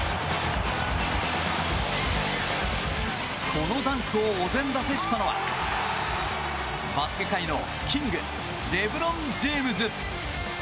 このダンクをお膳立てしたのはバスケ界のキングレブロン・ジェームズ。